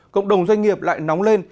cộng đồng doanh nghiệp lại nóng lên